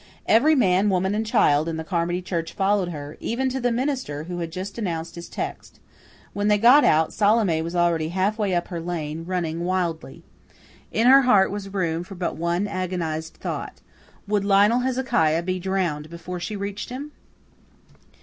Every man, woman, and child in the Carmody church followed her, even to the minister, who had just announced his text. When they got out, Salome was already half way up her lane, running wildly. In her heart was room for but one agonized thought. Would Lionel Hezekiah be drowned before she reached him?